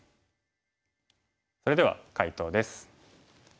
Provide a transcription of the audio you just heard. それでは解答です。